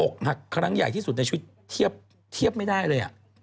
อกหักครั้งใหญ่ที่สุดในชีวิตเทียบไม่ได้เลย